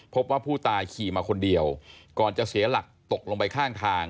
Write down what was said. พบว่าผู้ตายขี่มาคนเดียวก่อนจะเสียหลักตกลงไปข้างทาง